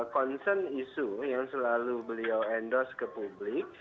concern isu yang selalu beliau endorse ke publik